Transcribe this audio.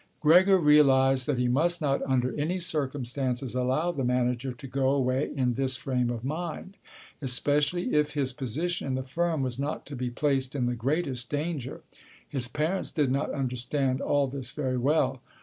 Gregor realized that he must not under any circumstances allow the manager to go away in this frame of mind, especially if his position in the firm was not to be placed in the greatest danger. His parents did not understand all this very well.